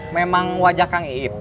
memang wajah kang iip